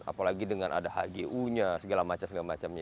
apalagi dengan ada hgu nya segala macam segala macamnya